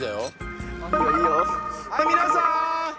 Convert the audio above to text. はい皆さーん！